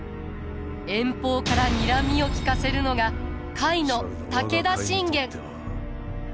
遠方からにらみを利かせるのが甲斐の武田信玄。